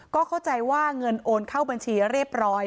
ก็เข้าใจว่าเงินโอนเข้าบัญชีเรียบร้อย